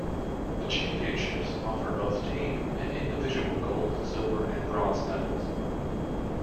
The Championships offers both team and individual gold, silver, and bronze medals.